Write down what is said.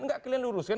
enggak kalian luruskan